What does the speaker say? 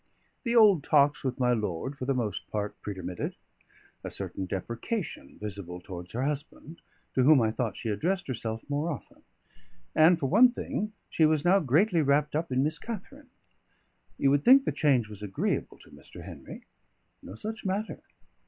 The old talks with my lord for the most part pretermitted; a certain deprecation visible towards her husband, to whom I thought she addressed herself more often; and, for one thing, she was now greatly wrapped up in Miss Katharine. You would think the change was agreeable to Mr. Henry; no such matter!